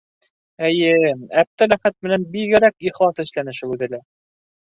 Әйе, Әптеләхәт менән бигерәк ихлас эшләне шул үҙе лә.